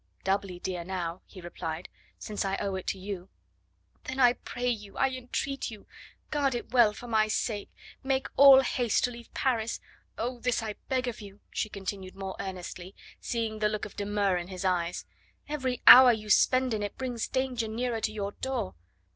"Doubly dear now," he replied, "since I owe it to you." "Then I pray you, I entreat you, guard it well for my sake make all haste to leave Paris... oh, this I beg of you!" she continued more earnestly, seeing the look of demur in his eyes; "every hour you spend in it brings danger nearer to your door."